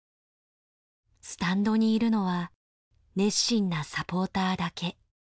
スタンドにいるのは熱心なサポーターだけ。